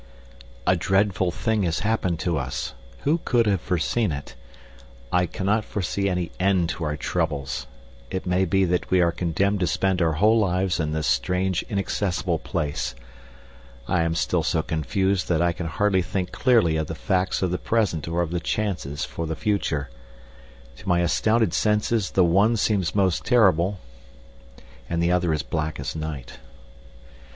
A dreadful thing has happened to us. Who could have foreseen it? I cannot foresee any end to our troubles. It may be that we are condemned to spend our whole lives in this strange, inaccessible place. I am still so confused that I can hardly think clearly of the facts of the present or of the chances of the future. To my astounded senses the one seems most terrible and the other as black as night.